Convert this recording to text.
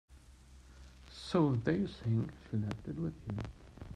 So they think she left it with you.